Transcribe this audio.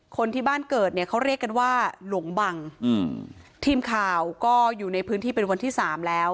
คนที่บ้านเกิดเนี่ยเขาเรียกกันว่าหลงบังอืมทีมข่าวก็อยู่ในพื้นที่เป็นวันที่สามแล้ว